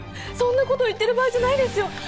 そんなこと言ってる場合じゃないですよ！